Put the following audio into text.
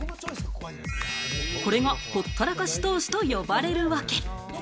これがほったらかし投資と呼ばれるわけ。